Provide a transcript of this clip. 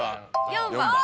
４番。